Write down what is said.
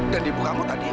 dan ibu kamu tadi